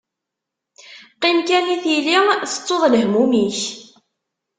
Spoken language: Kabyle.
Qqim kan i tili tettuḍ lehmum-ik.